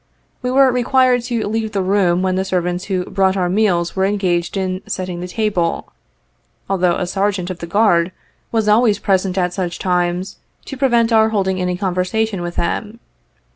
We were required to leave the room when the servants who brought our meals were engaged in setting the table, although a Sergeant of the Guard was always present at such times, to prevent our holding any conversation with them.